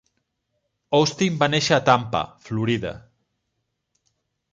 Austin va néixer a Tampa, Florida.